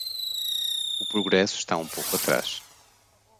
O progresso está um pouco atrás